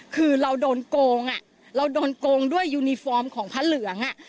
คือเราโดนโกงเราโดนโกงด้วยยูนิฟอร์มของพระเหลือง